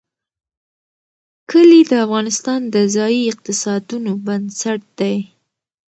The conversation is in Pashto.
کلي د افغانستان د ځایي اقتصادونو بنسټ دی.